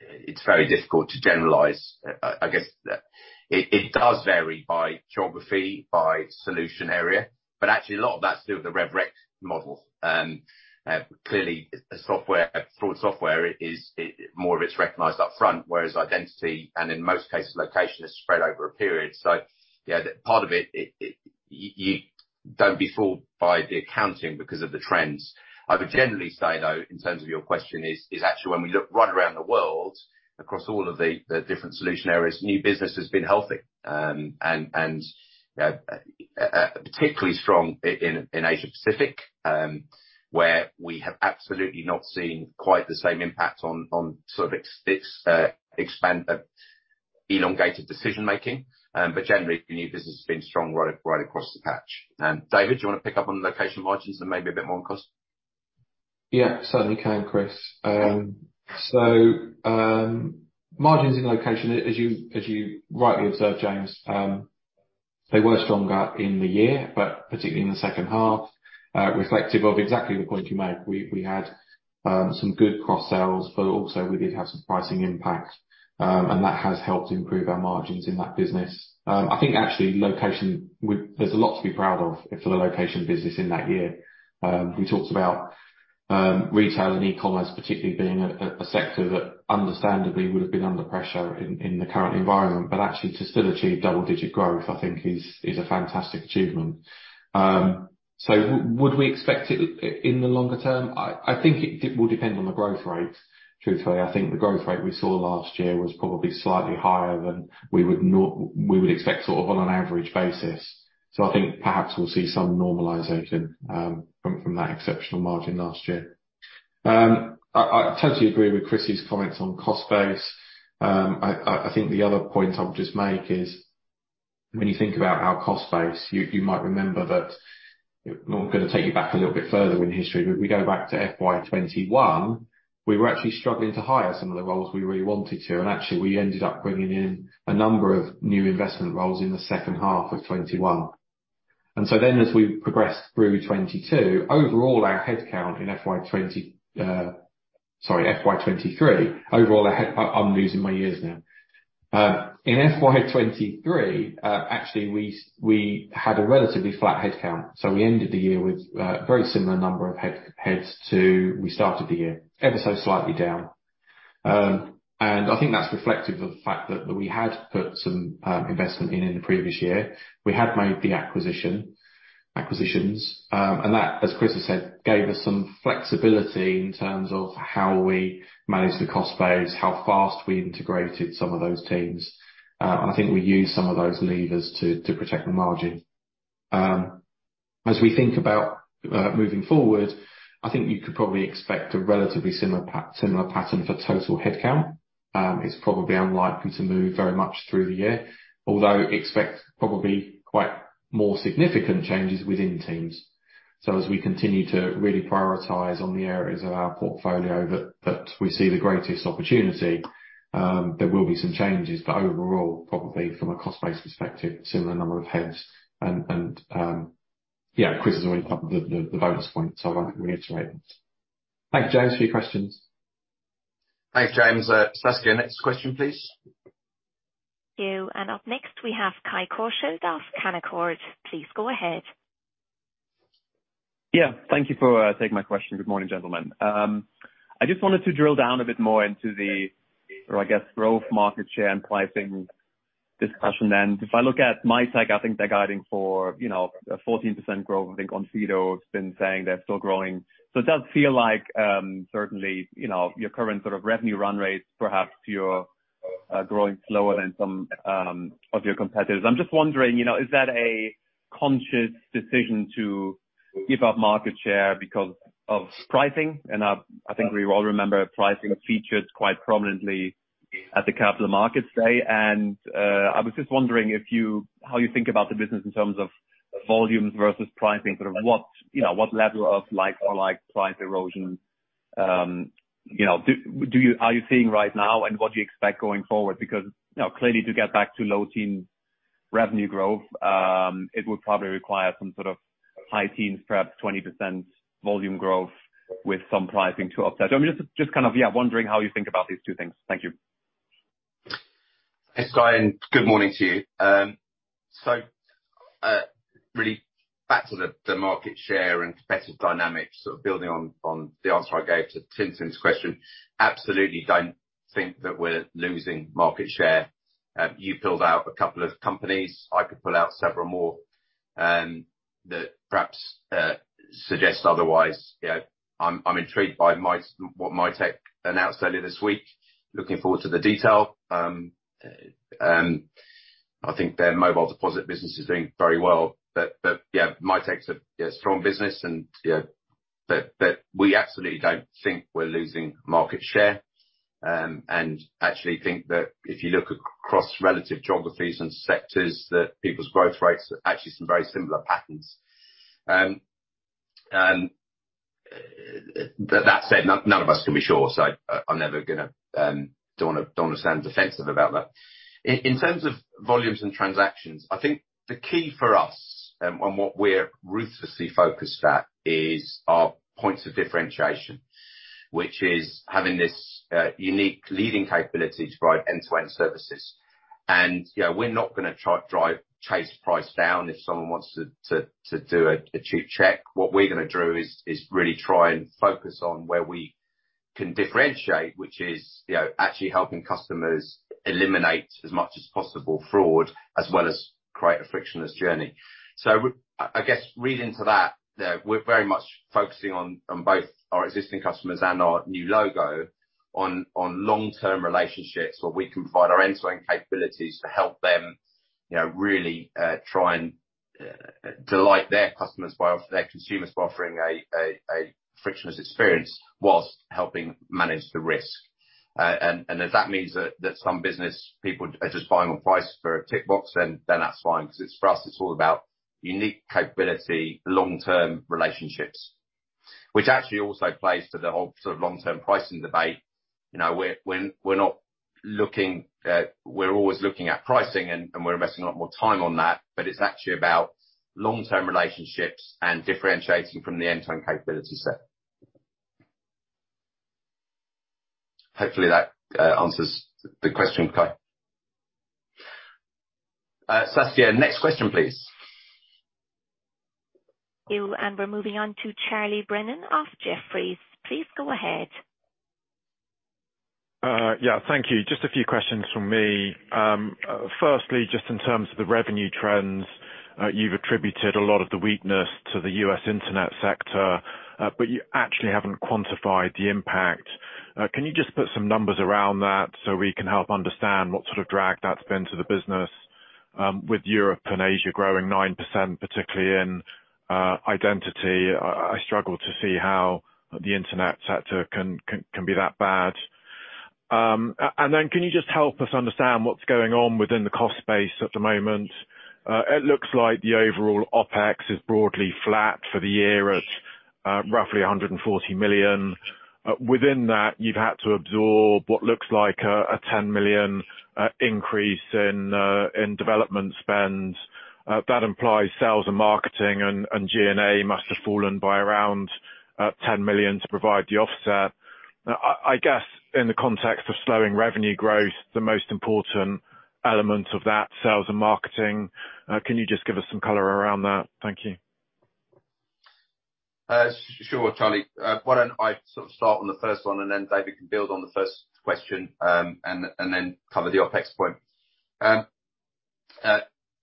it's very difficult to generalize. I guess, it does vary by geography, by solution area, but actually a lot of that's to do with the rev rec model. Clearly, software, fraud software is more of it's recognized upfront, whereas identity, and in most cases, location, is spread over a period. Yeah, part of it... you don't be fooled by the accounting because of the trends. I would generally say, though, in terms of your question, is actually when we look right around the world, across all of the different solution areas, new business has been healthy. Particularly strong in Asia Pacific, where we have absolutely not seen quite the same impact on sort of elongated decision making. Generally, new business has been strong right across the patch. David, do you want to pick up on the location margins and maybe a bit more on cost? Yeah, certainly can, Chris. Margins in location, as you, as you rightly observed, James, they were stronger in the year, but particularly in the second half, reflective of exactly the point you make. We had some good cross sales, but also we did have some pricing impact, and that has helped improve our margins in that business. I think actually location, there's a lot to be proud of for the location business in that year. We talked about retail and e-commerce particularly being a sector that understandably would have been under pressure in the current environment. Actually to still achieve double-digit growth, I think is a fantastic achievement. Would we expect it in the longer term? I think it will depend on the growth rate, truthfully. I think the growth rate we saw last year was probably slightly higher than we would expect, sort of on an average basis. I think perhaps we'll see some normalization from that exceptional margin last year. I totally agree with Chris's comments on cost base. I think the other point I would just make is when you think about our cost base, you might remember that I'm gonna take you back a little bit further in history, but if we go back to FY 2021, we were actually struggling to hire some of the roles we really wanted to, and actually, we ended up bringing in a number of new investment roles in the second half of 2021. As we progressed through 2022, overall, our headcount in FY 20, sorry, FY 2023, overall, I'm losing my years now. In FY 2023, actually, we had a relatively flat headcount, so we ended the year with a very similar number of heads to we started the year, ever so slightly down. I think that's reflective of the fact that we had put some investment in the previous year. We had made the acquisitions, and that, as Chris has said, gave us some flexibility in terms of how we manage the cost base, how fast we integrated some of those teams, and I think we used some of those levers to protect the margin. As we think about moving forward, I think you could probably expect a relatively similar pattern for total headcount. It's probably unlikely to move very much through the year, although expect probably quite more significant changes within teams. As we continue to really prioritize on the areas of our portfolio that we see the greatest opportunity, there will be some changes, but overall, probably from a cost base perspective, similar number of heads and, yeah, Chris has already covered the bonus point, so I won't reiterate that. Thank you, James, for your questions. Thanks, James. Saskia, next question, please. Thank you. Up next, we have Kai Kosche dos Kanakort. Please go ahead. Thank you for taking my question. Good morning, gentlemen. I just wanted to drill down a bit more into the, or I guess, growth, market share, and pricing discussion then. If I look at Mitek, I think they're guiding for, you know, a 14% growth. I think Onfido has been saying they're still growing. It does feel like, certainly, you know, your current sort of revenue run rates, perhaps you're growing slower than some of your competitors. I'm just wondering, you know, is that a conscious decision to give up market share because of pricing? I think we all remember pricing featured quite prominently at the capital markets day. I was just wondering how you think about the business in terms of volumes versus pricing, sort of, what, you know, what level of like for like price erosion, you know, are you seeing right now, and what do you expect going forward? Clearly, to get back to low teen revenue growth, it would probably require some sort of high teens, perhaps 20% volume growth, with some pricing to offset. I'm just kind of, yeah, wondering how you think about these two things. Thank you. Thanks, Kai, and good morning to you. Really back to the market share and competitive dynamics, sort of building on the answer I gave to Tim's question, absolutely don't think that we're losing market share. You pulled out a couple of companies. I could pull out several more that perhaps suggest otherwise. You know, I'm intrigued by what Mitek announced earlier this week. Looking forward to the detail. I think their mobile deposit business is doing very well, but yeah, Mitek's a strong business, and yeah. We absolutely don't think we're losing market share, and actually think that if you look across relative geographies and sectors, that people's growth rates are actually some very similar patterns. That said, none of us can be sure, so I'm never gonna don't wanna sound defensive about that. In terms of volumes and transactions, I think the key for us, and what we're ruthlessly focused at, is our points of differentiation, which is having this unique leading capability to provide end-to-end services. You know, we're not gonna try to chase price down if someone wants to do a cheap check. What we're gonna do is really try and focus on where we can differentiate, which is, you know, actually helping customers eliminate as much as possible fraud, as well as create a frictionless journey. I guess related to that, we're very much focusing on both our existing customers and our new logo, on long-term relationships, where we can provide our end-to-end capabilities to help them, you know, really try and delight their customers by their consumers, by offering a frictionless experience whilst helping manage the risk. And if that means that some business people are just buying on price for a tick box, then that's fine, because for us, it's all about unique capability, long-term relationships. Which actually also plays to the whole sort of long-term pricing debate. You know, we're not looking, we're always looking at pricing, and we're investing a lot more time on that, but it's actually about long-term relationships and differentiating from the end-to-end capability set. Hopefully, that answers the question, Kai. Saskia, next question, please. Thank you. We're moving on to Charles Brennan of Jefferies. Please go ahead. Yeah, thank you. Just a few questions from me. Firstly, just in terms of the revenue trends, you've attributed a lot of the weakness to the US internet sector, but you actually haven't quantified the impact. Can you just put some numbers around that so we can help understand what sort of drag that's been to the business? With Europe and Asia growing 9%, particularly in identity, I struggle to see how the internet sector can be that bad. Then can you just help us understand what's going on within the cost base at the moment? It looks like the overall OpEx is broadly flat for the year at roughly 140 million. Within that, you've had to absorb what looks like a 10 million increase in development spend. That implies sales and marketing and G&A must have fallen by around 10 million to provide the offset. I guess, in the context of slowing revenue growth, the most important element of that, sales and marketing, can you just give us some color around that? Thank you. Sure, Charlie. Why don't I sort of start on the first one, and then David can build on the first question, and then cover the OpEx point.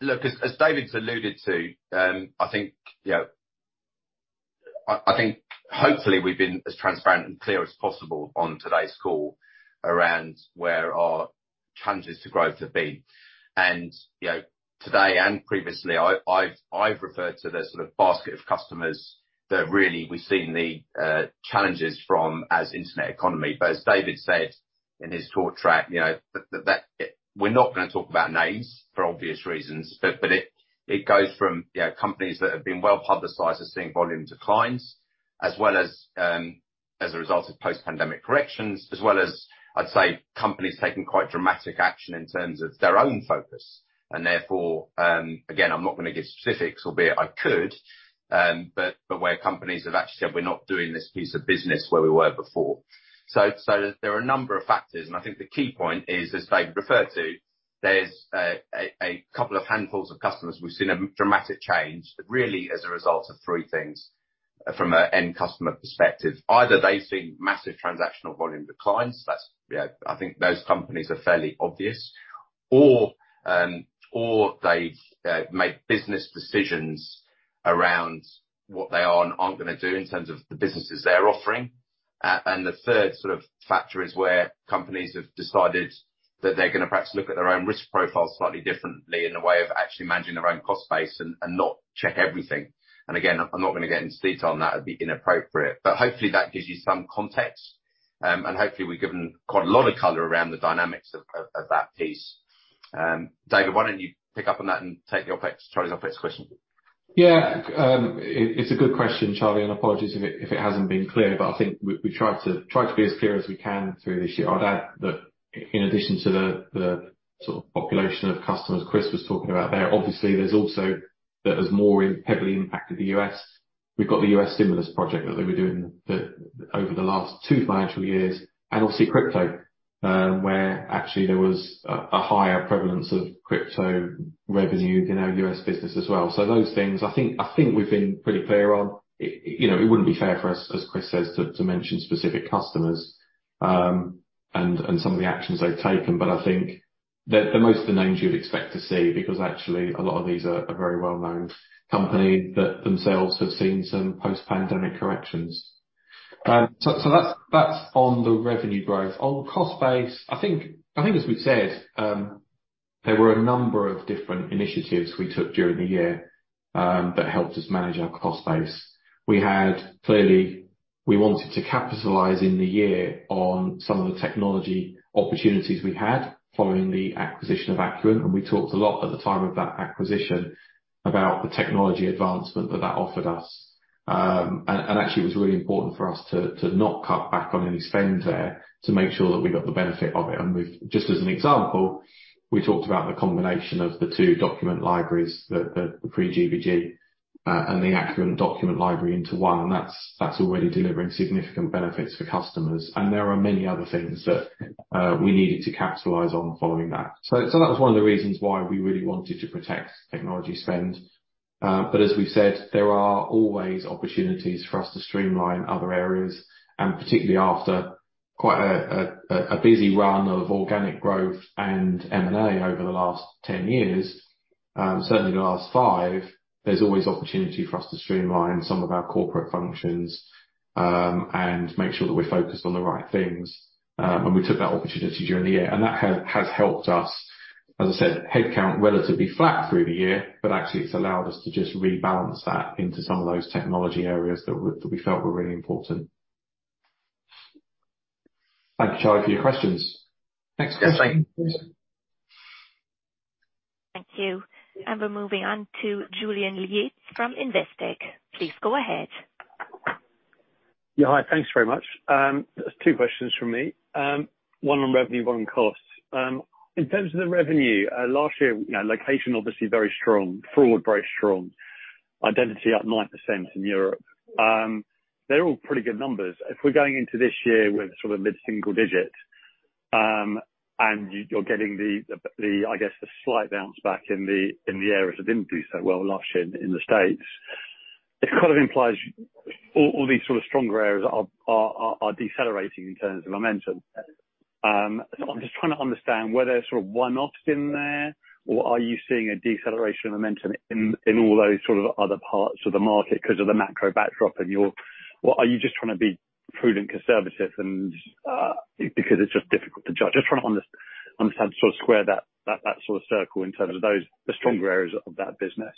Look, as David's alluded to, I think, you know, I think hopefully we've been as transparent and clear as possible on today's call around where our challenges to growth have been. You know, today and previously, I've referred to the sort of basket of customers that really we've seen the challenges from as internet economy. As David said in his talk track, you know, that we're not gonna talk about names, for obvious reasons, it goes from, you know, companies that have been well publicized as seeing volume declines, as well as a result of post-pandemic corrections, as well as, I'd say, companies taking quite dramatic action in terms of their own focus, and therefore, again, I'm not gonna give specifics, albeit I could, but where companies have actually said, "We're not doing this piece of business where we were before." There are a number of factors, and I think the key point is, as David referred to, there's a couple of handfuls of customers we've seen a dramatic change, really as a result of three things from an end customer perspective. Either they've seen massive transactional volume declines, that's, you know, I think those companies are fairly obvious, or they've made business decisions around what they are and aren't gonna do in terms of the businesses they're offering. The third sort of factor is where companies have decided that they're gonna perhaps look at their own risk profile slightly differently in the way of actually managing their own cost base and not check everything. Again, I'm not gonna get into detail on that, it'd be inappropriate, but hopefully that gives you some context. Hopefully, we've given quite a lot of color around the dynamics of that piece. David, why don't you pick up on that and take the OpEx, Charlie's OpEx question? Yeah. It's a good question, Charlie. Apologies if it hasn't been clear, but I think we try to be as clear as we can through this year. I'd add that in addition to the sort of population of customers Chris was talking about there, obviously, there's also that has more heavily impacted the U.S. We've got the U.S. stimulus project that they were doing over the last two financial years, and obviously crypto, where actually there was a higher prevalence of crypto revenue in our U.S. business as well. Those things, I think, I think we've been pretty clear on. It, you know, it wouldn't be fair for us, as Chris says, to mention specific customers, and some of the actions they've taken, but I think that they're most of the names you'd expect to see, because actually, a lot of these are very well-known companies that themselves have seen some post-pandemic corrections. That's on the revenue growth. On cost base, I think, as we've said, there were a number of different initiatives we took during the year that helped us manage our cost base. Clearly, we wanted to capitalize in the year on some of the technology opportunities we had following the acquisition of Acuant, and we talked a lot at the time of that acquisition about the technology advancement that that offered us. Actually, it was really important for us to not cut back on any spend there, to make sure that we got the benefit of it. Just as an example, we talked about the combination of the two document libraries, the pre-GBG and the Acuant document library into one, and that's already delivering significant benefits for customers. There are many other things that we needed to capitalize on following that. That was one of the reasons why we really wanted to protect technology spend. As we've said, there are always opportunities for us to streamline other areas, and particularly after quite a busy run of organic growth and M&A over the last 10 years, certainly the last 5, there's always opportunity for us to streamline some of our corporate functions, and make sure that we're focused on the right things. We took that opportunity during the year, and that has helped us, as I said, headcount relatively flat through the year, but actually it's allowed us to just rebalance that into some of those technology areas that we felt were really important. Thank you, Charlie, for your questions. Next question, please? Thanks. Thank you. We're moving on to Julian Yates from Investec. Please go ahead. Yeah, hi. Thanks very much. 2 questions from me. 1 on revenue, 1 on costs. In terms of the revenue, last year, you know, location obviously very strong, fraud very strong, identity up 9% in Europe. They're all pretty good numbers. If we're going into this year with sort of mid-single digit, and you're getting the, I guess, the slight bounce back in the, in the areas that didn't do so well last year in the States, it kind of implies all these sort of stronger areas are decelerating in terms of momentum.... I'm just trying to understand were there sort of one-offs in there, or are you seeing a deceleration of momentum in all those sort of other parts of the market 'cause of the macro backdrop, or are you just trying to be prudent, conservative, and because it's just difficult to judge? Just trying to understand, sort of, square that, sort of, circle in terms of those, the stronger areas of that business.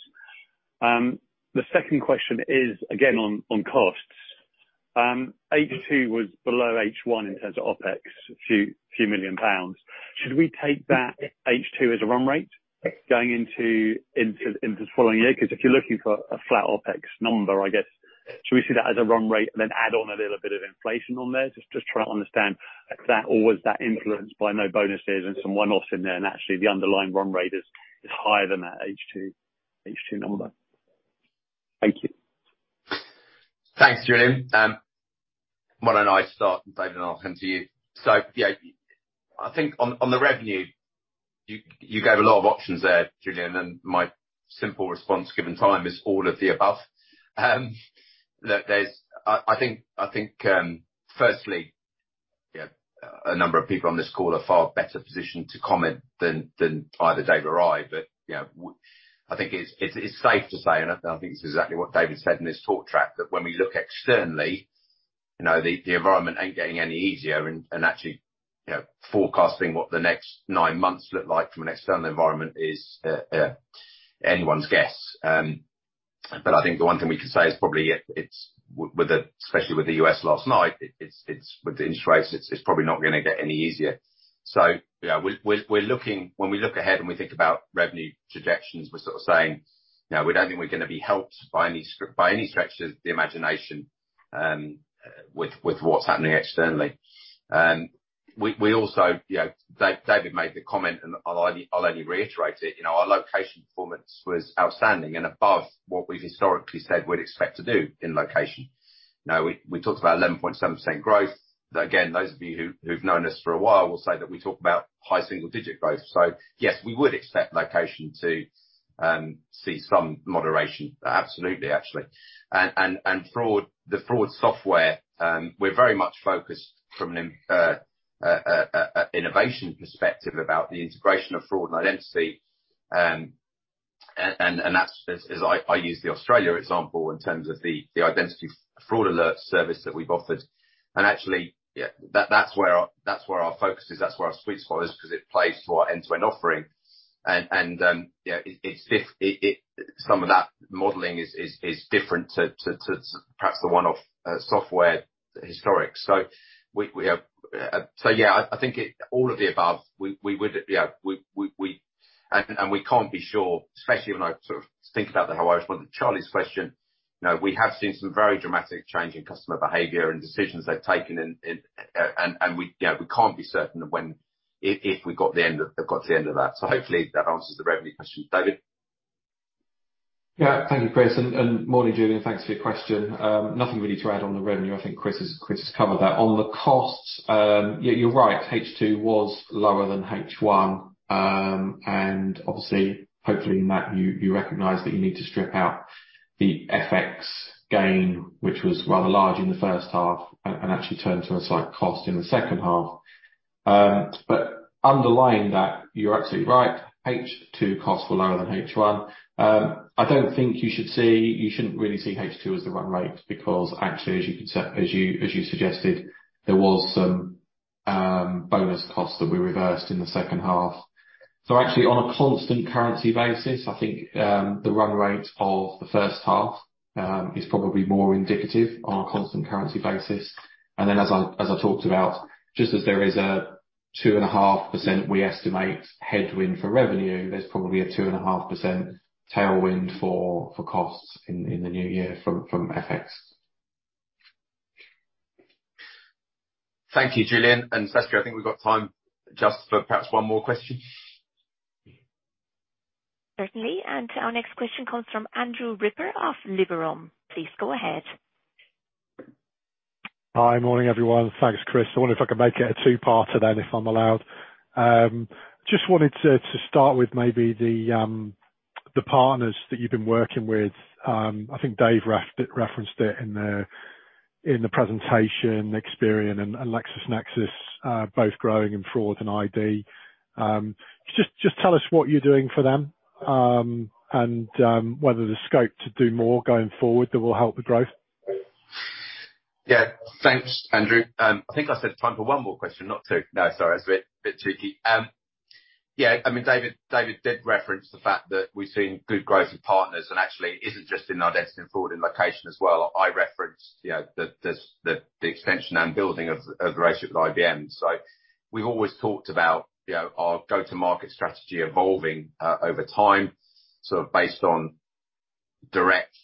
The second question is, again, on costs. H2 was below H1 in terms of OpEx, a few million pounds. Should we take that H2 as a run rate going into the following year? 'Cause if you're looking for a flat OpEx number, I guess, should we see that as a run rate and then add on a little bit of inflation on there? Just trying to understand if that, or was that influenced by no bonuses and some one-offs in there, and actually the underlying run rate is higher than that H2 number? Thank you. Thanks, Julian. Why don't I start, and David, I'll hand to you. Yeah, I think on the revenue, you gave a lot of options there, Julian, and my simple response, given time, is all of the above. Look, there's I think, firstly, yeah, a number of people on this call are far better positioned to comment than either Dave or I, but, yeah, I think it's safe to say, and I think this is exactly what David said in his talk track, that when we look externally, you know, the environment ain't getting any easier, and actually, you know, forecasting what the next nine months look like from an external environment is anyone's guess. I think the one thing we can say is probably, it's, with the especially with the U.S. last night, it's, with the interest rates, it's probably not gonna get any easier. Yeah, we're looking. When we look ahead and we think about revenue projections, we're sort of saying, "You know, we don't think we're gonna be helped by any stretch of the imagination, with what's happening externally." We also, you know, David made the comment, and I'll only reiterate it, you know, our location performance was outstanding and above what we've historically said we'd expect to do in location. We talked about 11.7% growth. Those of you who've known us for a while will say that we talk about high single-digit growth. Yes, we would expect location to see some moderation, absolutely, actually. Fraud, the fraud software, we're very much focused from an innovation perspective about the integration of fraud and identity. That's as I use the Australia example in terms of the identity fraud alert service that we've offered. Actually, yeah, that's where our focus is, that's where our sweet spot is, 'cause it plays to our end-to-end offering. You know, some of that modeling is different to perhaps the one-off software historic. We have. Yeah, I think it, all of the above, we would, yeah, we. We can't be sure, especially when I sort of think about the Hawaiian question, Charlie's question, you know, we have seen some very dramatic change in customer behavior and decisions they've taken in, and we, you know, we can't be certain of when, if we've got to the end of that. Hopefully, that answers the revenue question. David? Yeah. Thank you, Chris, and morning, Julian, thanks for your question. Nothing really to add on the revenue. I think Chris has covered that. On the costs, yeah, you're right, H2 was lower than H1. Obviously, hopefully, in that, you recognize that you need to strip out the FX gain, which was rather large in the first half, and actually turned to a slight cost in the second half. Underlying that, you're absolutely right, H2 costs were lower than H1. I don't think you shouldn't really see H2 as the run rate, because actually, as you suggested, there was some bonus costs that we reversed in the second half. Actually, on a constant currency basis, I think, the run rate of the first half, is probably more indicative on a constant currency basis. As I talked about, just as there is a 2.5%, we estimate, headwind for revenue, there's probably a 2.5% tailwind for costs in the new year from FX. Thank you, Julian, and Saskia, I think we've got time just for perhaps one more question. Certainly, our next question comes from Andrew Ripper of Liberum. Please, go ahead. Hi, morning, everyone. Thanks, Chris. I wonder if I could make it a two-parter then, if I'm allowed? Just wanted to start with maybe the partners that you've been working with. I think Dave referenced it in the presentation, Experian and LexisNexis, both growing in fraud and ID. Just tell us what you're doing for them, and whether there's scope to do more going forward that will help the growth. Yeah. Thanks, Andrew. I think I said time for one more question, not two. Sorry, I was a bit tricky. Yeah, I mean, David did reference the fact that we've seen good growth with partners, actually it isn't just in identity fraud, in location as well. I referenced, you know, the extension and building of the relationship with IBM. We've always talked about, you know, our go-to-market strategy evolving over time, sort of based on direct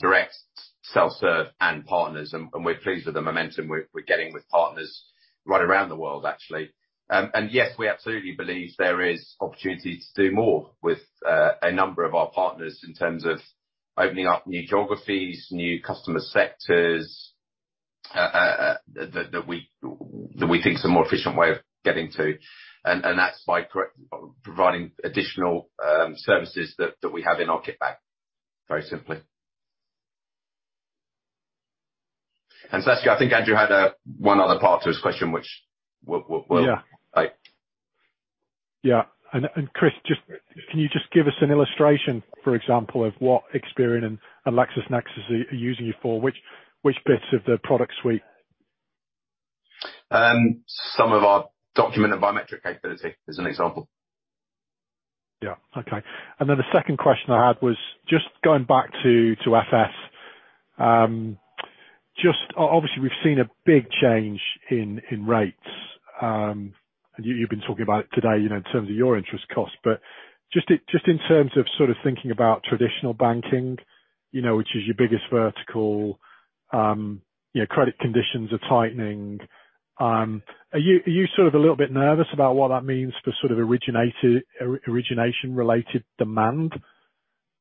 direct self-serve and partners, and we're pleased with the momentum we're getting with partners right around the world, actually. Yes, we absolutely believe there is opportunity to do more with a number of our partners in terms of opening up new geographies, new customer sectors, that we think is a more efficient way of getting to. That's by providing additional services that we have in our kit bag, very simply. Sasha, I think Andrew had one other part to his question, which. Yeah. Yeah, Chris, can you just give us an illustration, for example, of what Experian and LexisNexis are using you for? Which bits of the product suite? Some of our document and biometric capability, as an example. Yeah. Okay. The second question I had was just going back to FS. obviously, we've seen a big change in rates. you've been talking about it today, you know, in terms of your interest costs, but just in terms of sort of thinking about traditional banking, you know, which is your biggest vertical, you know, credit conditions are tightening. Are you sort of a little bit nervous about what that means for sort of origination-related demand?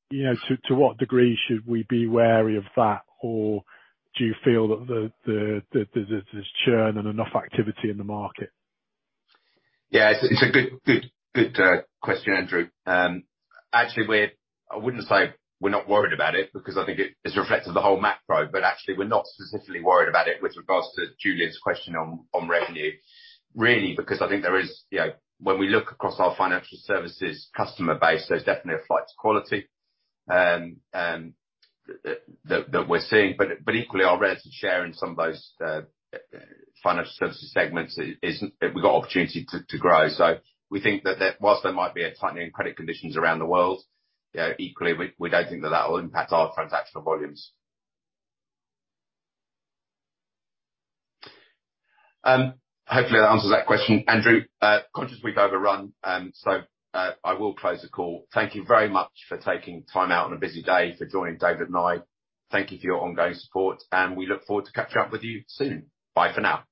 You know, to what degree should we be wary of that? Or do you feel that the, there's churn and enough activity in the market? Yeah, it's a good question, Andrew. Actually, I wouldn't say we're not worried about it, because I think it's reflective of the whole macro, but actually, we're not specifically worried about it with regards to Julian's question on revenue. Really, because I think there is. You know, when we look across our financial services customer base, there's definitely a flight to quality that we're seeing. Equally, our relative share in some of those financial services segments is we've got opportunity to grow. We think that whilst there might be a tightening in credit conditions around the world, you know, equally, we don't think that that will impact our transactional volumes. Hopefully, that answers that question, Andrew. Conscious we've overrun, I will close the call. Thank you very much for taking time out on a busy day for joining David and I. Thank you for your ongoing support, and we look forward to catching up with you soon. Bye for now.